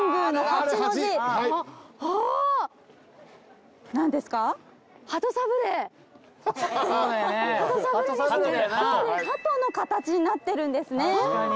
ハトの形になってるんですね。